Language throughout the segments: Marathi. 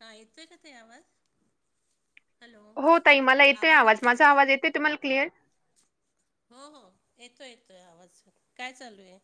हा. येतोय का ताई आवाज. हॅलो हो ताई मला येतोय आवाज, येतो आहे माझा का आवाज येतय तुम्हाला क्लिअर. हो हो येतोय येतोय, आवाज काय चालू ये.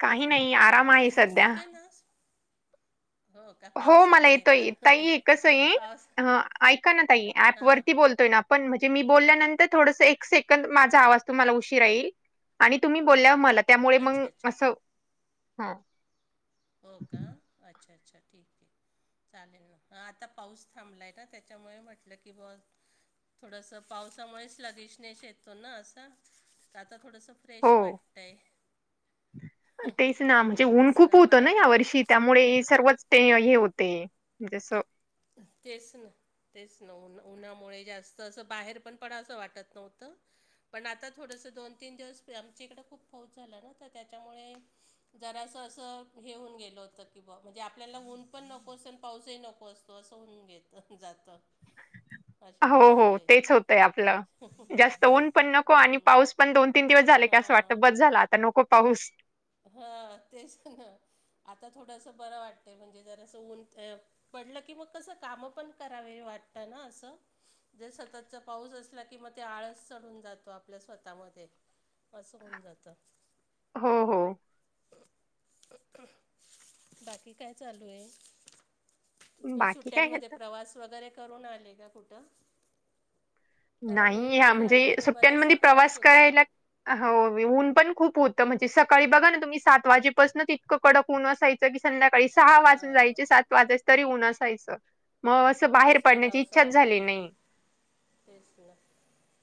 काही नाही हॅलो आराम आहे सध्या. येतोय ना, हो. का हो मला पावसामुळे का येतोय ताई कसं आहे, पावस ऐका ना ताई ऍप हां वरती बोलतोय ना. पण म्हणजे, मी बोलल्यानंतर थोडस एक सेकंद माझा आवाज तुम्हाला उशिरा येईल. आणि तुम्ही बोलल्या मला, त्यामुळे मग अच्छा अच्छा असं हं. हो का, अच्छा अच्छा ठीक ये. चालेल ना, हं.. आता पाऊस थांबलाय ना, त्याच्यामुळे म्हटलं की बाबा. थोडंसं पावसामुळेच लगेश नश येतो ना, असं आता थोडंसं. फ्रेश हो. वाटतंय, तेच ना. होत मला ना या तर वर्षी त्यामुळे, सर्वच ते हे होते जसं. तेच ना. तेच न ऊन उन्हामुळे जास्त, असं बाहेर पण पडावसं वाटत नव्हतं. पण आता थोडंसं, दोन तीन दिवस आमच्या इकडं खूप पाऊस झालं ना तर त्यांच्यामुळं. जरास असं हे होऊन गेल होत की ब म्हणजे, आपल्याला ऊन पण नको असत आणि पाऊसही नको असतो. तसं होवून, घेत जातं. अशी हो हो गोष्ट आहे. तेच होतंय आपलं, जास्त ऊन पण नको आणि हम्म पाऊस. पण दोन तीन दिवस झाले का असं, हां वाटतं बस झाला आता नको पाऊस. हा तेच ना आता थोडंसं बरं वाटतय, म्हणजे जरा असं ऊन ते. पडलं की मग कसं, काम पण करावे वाटतं ना असं. जर सततचा पाऊस चालू असलं की, मग ते आळस चढून जातो आपल्या स्वतःमध्ये. असं होऊन जातं. हो हो. बाकी कायं, चालू ये. तेच बाकी काय सुट्ट्यांनमध्ये आता प्रवास, वगैरे करून आले का कुठं. कारण नाही हया म्हणजे उन्हाळ्यामध्ये बराचसा सुट्यांमध्ये प्रवास होतो. करायला अ हो, ऊन पण खूप होतं म्हणजे सकाळी बघा ना तुम्ही सात वाजेपासन तितकं कडक ऊन असायचं. कधी संध्याकाळी सहा वाजून हां. जायचे, सात वाजायचे तरी उन असायचं. मग, असं बाहेर कुठंच पडण्याची निघावसं इच्छाच झाली वाटत नाही. तेच ना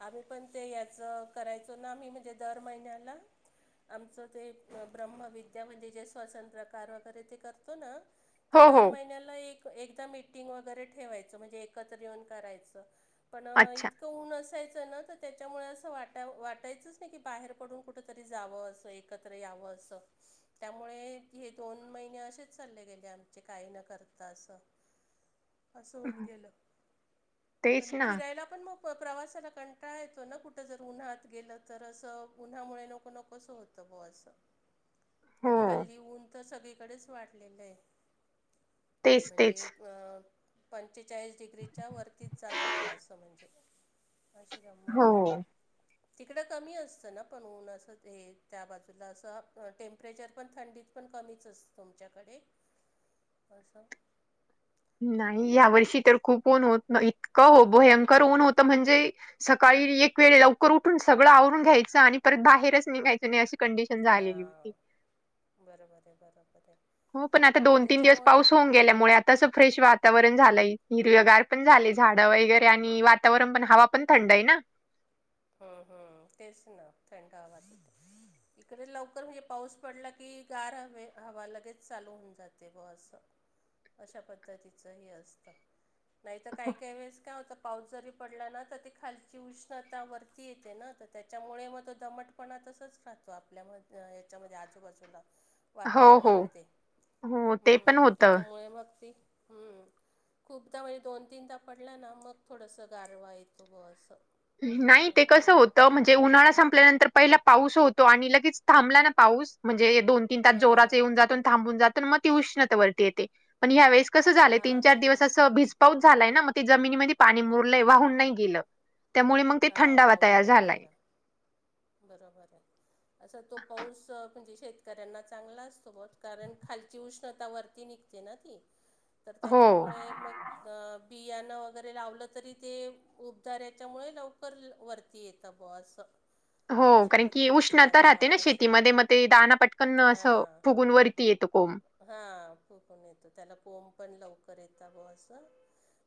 आम्ही पण, ते याचं करायचो ना आम्ही म्हणजे दर महिन्याला. आमचं ते ब्रह्मविद्या म्हणजे, जे स्वतंत्रकार वगैरे ते करतो ना, तर हो हो दर महिन्याला एक एकदा मिीटिंग वगैरे, ठेवायचं म्हणजे एकत्र येऊन करायचं. पणं अच्छा इत क ऊन असायचं ना, तर त्याच्यामुळे असं वाटाव वाटायचंच नाही की बाहेर पडून कुठंतरी जावं असं एक. एकत्र यावं असं. त्यामुळे हे दोन महिने असेच चालले गेले आमचे काही न करता असं. असं होऊन गेलं, तेच पण ना फिरायला पण मग प्रवासाला कंटाळा येतो ना, कुठं जर उन्हात गेलं तर असं उन्हामुळे नको नकोसं होतं. समूह असत. हो आणि हल्ली ऊनतर सगळीकडेच वाढलेलं आहे. तेच म्हणजे तेच एक पंचेचाळीस डिग्रीच्या वरतीच जात होतं असं म्हणजे. अशी गंमत हो आहे. तिकडं कमी असतंना पण ऊन असं ते, त्या बाजूला असं टेम्परेचर पण थंडीत पण कमीच असं तुमच्याकडे. असं नाही या वर्षी तर खूप ऊन होतं, इतकं हो भयंकर ऊन होतं म्हणजे सकाळी एक वेळे लवकर उठून सगळं आवरून घ्यायचं आणि परत बाहेरच निघायचं नाही अशी कंडिशन झालेली होती. हां, बरोबर हाय बरोबर हाय. हो पण आता दोन तीन दिवस पाऊस होऊन गेल्यामुळे आ तस फ्रेश वातावरण झालंय. हिरवेगार पण झालेय, झाडं वगैरे आणि वातावरण पण हवा पण थंड आहे ना. हम्म हम्म तेच ना ठणका भासवतो. इकडे लवकर म्हणजे पाऊस पडला की, गार हवे हवा लगेच चालू होऊन जाते ब असं. अशा पद्धतीचंही हे असतं. नाहीतर काय काय वेळेस काय होतं, पाऊस जरी पडला ना तर ती खालची उष्ण ता वरती येते ना, तर त्याच्यामुळे मग तो दमटपणा तसंच राहतो आपल्यामध ये च्यामध्ये आजूबाजूला हो हो वातावरणामध्ये, हो ते पण हम्म होतं त्याच्यामुळे मग ते हम्म खूपदा म्हणजे दोन तीनदा पडला ना, मग थोडंसं गारवा येतो ब असं. नाही ते असं कसं तर होतं. म्हणजे उन्हाळा संपल्यानंतर पहिला पाऊस होतो आणि लगेच थांबला ना पाऊस, म्हणजे दोन तीन तास जोरात हां येऊन जातो आणि थांबून जातो तर मग ती उष्णता वरती येते. पण यावेळेस कसं झालंय हां तीनचार तेच ना दिवस असं भिज पाऊस झालाय ना, मग ते जमिनीमध्ये पाणी मुरलंय वाहून नाही गेलं. त्यामुळे मग ते हां थंडावा वाहून तयार नाही झालाय. गेला. बरोबर आहे, असं तो पाऊस म्हणजे शेतकऱ्यांना चांगला असतो बट, कारण खालची उष्णता वरती निघते ना ती. तर हो त्याच्यामुळे मग बियाणं वगैरे लावलं तरी ते उबदार याच्यामुळे लवकर वरती येतं ब असं. हो अशा कारण की पद्धतीचं उष्णता राहते ना वातावरण असं शेतीमध्ये. मग ते दाना पटकन असं फुगून वरती येतं कोंब. हा फुगून येतो, त्याला कोंबपण लवकर येतं बुवा असं.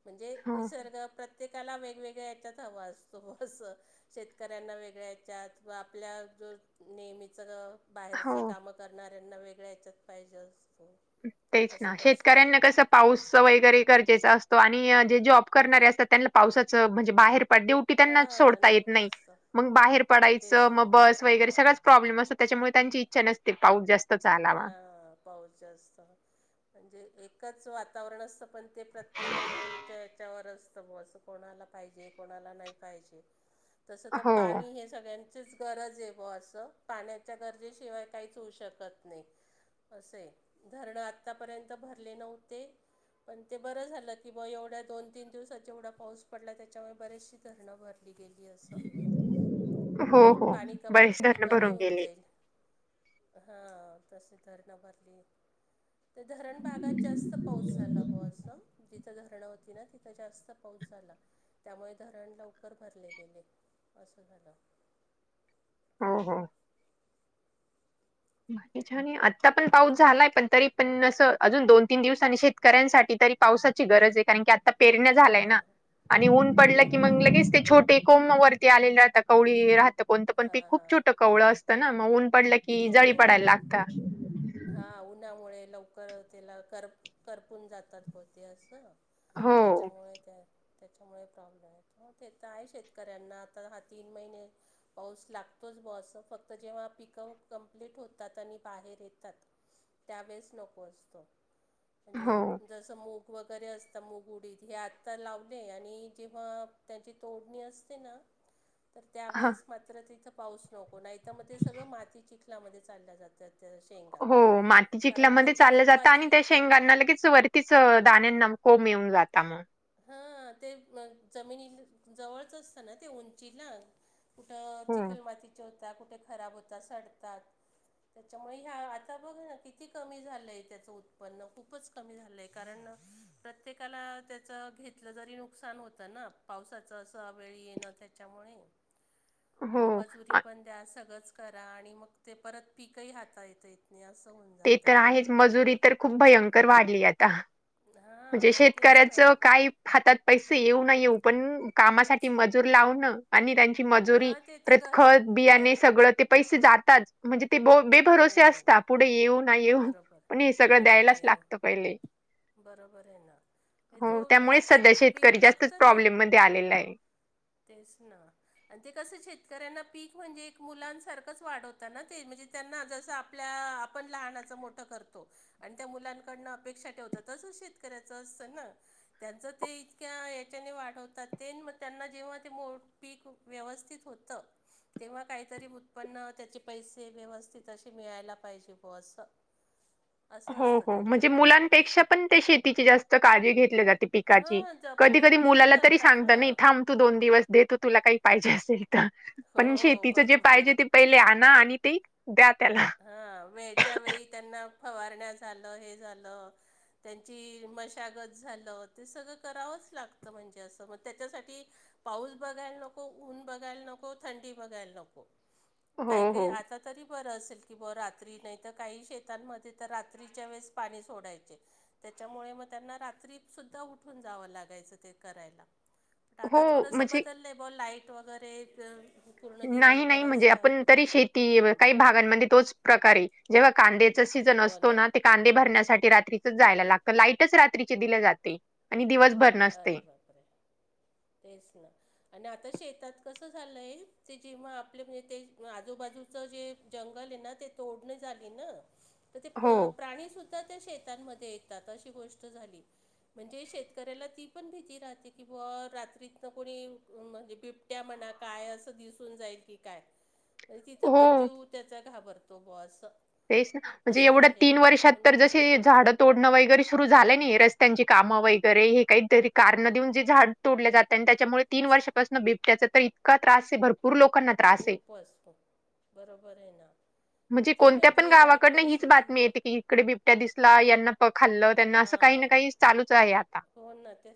म्हणजे हो, निसर्ग प्र त्येकाला वेगवेगळ्या याच्यात हवां असतो असं, शेतकऱ्यांना वेगळ्या याच्यात म आपल्या जो नेहमीचं बाहेरचं हो. कामं करणाऱ्यांना वेगळ्या हेच्यात पाहिजे असतो. तेच अशी ना. गोष्ट आहे शेतकऱ्यांना कसं पाऊस वगैरे गरजेचा असतो आणि जे जॉब करणारे असतात त्यांला पावसाचं म्हणजे बाहेर पड ड्युटी त्यांना हां सोडता येत नको नाही असतं मग बाहेर पडायचं तेच मग ना बस वगैरे सगळच प्रॉब्लेम असतं त्याच्यामुळे त्यांची इच्छा नसते पाऊस जास् हा पाऊस जास्त म्हणजे एकच वातावरण असतं पण ते प्रत्येक व्यक्तीच्या याच्यावर असतं ब असं. कोणाला पाहिजे कोणाला नाही पाहिजे तसं तर हो, पाणी हे सगळ्यांचीच गरज आहे ब असं पाण्याच्या गरजेशिवाय काहीच होऊ शकत नाही असंय धरण्या आतापर्यंत भरले नव्हते पण ते बरं झालं की ब एवढ्या दोन-तीन दिवसाच जेवढा पाऊस पडला त्याच्यामुळे बरेचशी धरणं भर लिगेली असं हो, हो. पाणी कपात बरेच थोडी धरणं कमी भरून होऊन गेले. जाईल. हा तशी धरणं भरली. ते धरण भागात जास्त, पाऊस झाला बुवा असं. तिथ धरणं होती ना तिथं जास्त पाऊस झाला, त्यामुळे धरण लवकर भरले गेले. असं झाला. हो हो. [inaudible] छान ये आत्ता पण पाऊस झालाय पण तरी पण असं अजून दोन-तीन दिवसानी शेतकऱ्यांसाठी तरी पावसाची गरज आहे कारण की आता पेरण्या झालाय ना हां आणि ऊन पडलं की मंग बरोबर आहे लगेच ते छोटे कोंमं वरती आलेली राहतं कवळी राहतं कोणतं पण पिक हां खूप हां छोटं कवळं असतं ना म ऊन पडलं की जळी पडायला लागता. हा उन्हामुळे लवकर त्याला कर करपून जातात बहुते असं. हो त्याच्यामुळे त्या त्याच्यामुळे प्रॉब्लेम येतो तेथे, आहे शेतकऱ्यांना आता हा तीन महिने. पाऊस लागतोच बो असं फक्त जेव्हा पिकं कम्प्लीट होतात आणि बाहेर ये तात त्यावेळेस नको असतो हो म्हणजे जसं मूग वगैरे असतं मुग उडीद हे आता लावले आणि जेव्हा त्याची तोडणी असते ना तर ह त्यावेेळेस मात्र तिथं पाऊस नको नाही तर ते सगळं माती चिखलामध्ये चाललं जात्यात त्या शेंगा हो माती कारण चिखल्यामध्ये त्यांच्या चाललं जातं आणि रोपाची त्या शेंगांना ला लगेच च वरतीच दाण्यांना कोम येऊन जाता म. हा ते म जमिनी जवळच असतना ते उंचीला कुठं हो चिखलमातीचे त्या कुठे खराब होता सडतात. त्याच्यामुळे ह्या आता बघ ना किती कमी झालंय त्याच उत्पन्न खूपच तमी झालेय ककारण प्रत्येकाला ते च घेतलं जरी नुकसान होतं ना पावसाचं असं वेळ येणं त्याच्यामुळे. हो आणि मजुरी अ, पण द्या सगळंच करा, आणि मग ते परत पीकही हाताळता येत नाही असं होन. ते तर आहेच मजुरी तर खूप भयंकर वाढली आता. म्हणजे हां तेच शेतकऱ्याच ना काही. हातात पैसे येऊ न येऊ पण कामासाठी मजूर लावनं आणि त्यांची मजुरी हां ते तर प्रत गरज खत गर बियाणे, सगळं ते पैसे जातात. म्हणजे ते बो बे हो भरोसे असतात पुढे येऊ नाही येऊ बरोबर पण हे सगळं येऊ ना द्यायलाच येऊ लागतं पहिले. बरोबर आहे ना. हे तो हो त्यामुळेच हातात सध्या पीक शेतकरी जास्तच पघतं ना प्रॉब्लेम मध्ये आलेला आहे तेच ना. आणि ते कसं शेतकऱ्यांना पीक म्हणजे एक मुलांसारखंच वाढवता ना ते म्हणजे त्यांना जसं आपल्या आपण लहानाचा मोठं करतो आणि त्या मुलांकडनं अपेक्षा ठेवतं तसच शेतकऱ्याच असतं ना. त्यांच ते इतक्या हेच्याने वाढवतात ते, म त्यांना जेव्हा ते मो पीक व्यवस्थित होतं. तेव्हा काहीतरी उत्पन्न त्याचे, पैसे व्यवस्थित असे मिळायला पाहिजे बुवा असं. असं हो असतं हो त्यांचं म्हणजे पण मुलांपेक्षा पण ते शेतीची जास्त काळजी घेतलं जाते. पिकाची हां कधी-कधी जपणूक किती मुलाला तरी करतात सांगता ना नाही थांब तो दोन दिवस देतो तुला काही पाहिजे असेल. तर हो पण हो शेतीच जे बरोबर आहे पाहिजे ते, पहिले आणा आणि ते ही द्या त्याला. हा म हेच्या वेळी त्यांना फवारण्या झालं हे झालं त्यांची मशागत झालं ते सगळं, करावंच लागतं म्हणजे असं मग तेच्यासाठी. पाऊस बघायला नको, ऊन बघायला नको थंडी बघायला नको. काही हो, काही हो. आता, तरी बरं असेल. की ब रात्री नाही तर काही शेतांमध्ये तर रात्रीच्या वेळेस पाणी सोडायचे. त्याच्यामुळे मग त्यांना रात्रीत‌, सुद्धा उठून जावं लागायचं ते करायला. हो, आता थोडंसं म्हणजे बदललंय ब लाईट वगैरे, पूर्ण नाही दिवसभर नाही, म्हणजे असतात आपण तरी शेती काही भागांमध्ये तोच, प्रकारे जेव्हा कांद्याचा सीजन असतो ना. कांदे भरण्यासाठी रात्रीच जायला लागतं लाईटच रात्रीचे दिले जाते आणि दिवसभर नसते. अरे बापरे, तेच ना. आणि आता शेतात कसं झालंय ते, जेव्हा आपले म्हणजे ते आजूबाजू जे जंगल आहे ना ते, तोडण झाली ना. तर ते प हो, प्राणीसुद्धा त्या शेतांमध्ये येतात, अशी गोष्ट झाली म्हणजे शेत करायला ती पण भीती राहते, की बुवा रात्रीतन कोणी म्हणजे बिबट्या म्हना. काय असं दिसून जाईल की काय म्हणे तिथं पण हो. जीव त्याचा, घाबरतो बुवा असं. तेच ना म्हणजे असं एवढं तीन झालेलं आहे वर्षात म्हणजे तर ज ते झाडं तोडणं वगैरे सुरु झालंय नाहीये रस्त्यांची कामं वगैरे हे काहीतरी कारणं देऊन जे झाड तोडल्या जातात आणि त्याच्यामुळे, तीन वर्षापासून बिबट्याच तर इतका त्रास हे भरपू भरपूर‌ लोकांना त्रास आहे. खूपच खूप बरोबर आहे ना म्हणजे, किती कोणत्या पण म्हणजे वाईट गावाकडनं हीच परिस्थिती बातमी येते की, इकडे बिबट्या दिसला यांना, प खाल्लं त्यांना असं काही ना काही चालूच आहे आता. होना तर.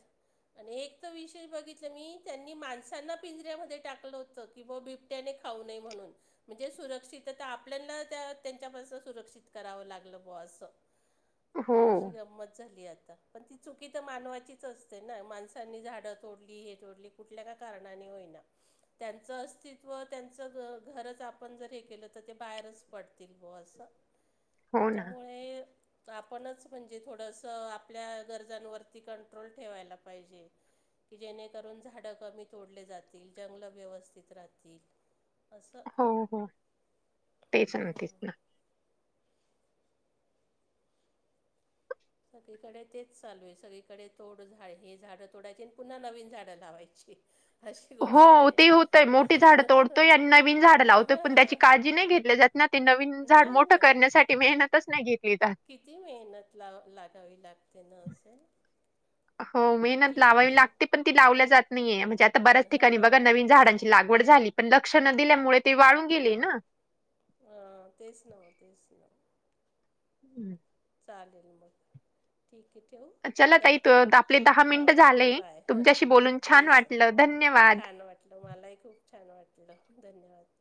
आणि एक तर विषय बघितलं मी, त्यांनी माणसांना पिंजऱ्यामध्ये टाकलं होतं की बो बिब त्याने खाऊ नये म्हणून म्हणजे सुरक्षितता त्या आपल्यांना त्या त्यांच्यापास सुरक्षित करावे लागलं बुवा असं, हो, अशी गंमत झाली आता पण तिथं. चुकी तर मानवाचीच असते ना, माणसांनी झाडं तोडली हे तोडली कुठल्या का कारणाने होईना. त्यांचं अस्तित्व त्यांचं घरच, आपण जर हे केलं तर ते बाहेरच पडतील बुवा असं. हो ना. तेच्यामुळे आपणच म्हणजे, थोडंसं आपल्या गर वजन वरती कंट्रोल ठेवायला पाहिजे. की जेणेकरून झाडं कमी तोडले जातील, जंगले व्यवस्थित राहतील. असं हो, हो. तेच हो. ना, तेच ना. सगळीकडे तेच चालू आहे सगळीकडे तोड झा हे झाडं तोडायची आणि पुन्हा नवीन झाडं लावायची. अशी हो गोष्ट आहे ते होतंय मोठी झाड तोडतोय आणि, नवीन झाड लावतोय पण त्याची हां काळजी नाही घेतली जातं. ना ते नवीन झाड नाही मोठं ना करण्यासाठी, मेहनतच नाही घेतली जातं. किती मेहनत लाव लागावी लागते न असेल. हो मेहनत ठीक लावावी आहे लागते पण ती लावली जात नाहीये, म्हणजे आता बऱ्याच ठिकाणी बघा हां नवीन तेच ना. झाडांची लाग वड झाली पण लक्ष न, दिल्यामुळे ते वाळून गेले ना. अं.. तेच न तेच न. हम्म. चालेल मग. ठीक आहे ठेवू, चला ताई करते मी त- आपले दहा मिनिट हां झाले बाय हां. तुमच्याशी बोलून छान तेच वाटलं धन्यवाद. छान वाटलं मलाही खूप छान वाटलं धन्यवाद